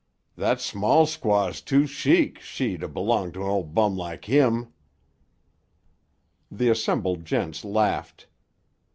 Tha' small squaw's too chic, she, to b'long to ol' bum lak heem." The assembled gents laughed.